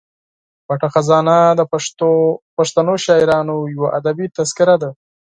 پټه خزانه د پښتنو شاعرانو یوه ادبي تذکره ده.